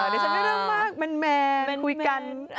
เดี๋ยวจะได้เรื่องมากแมนคุยกัน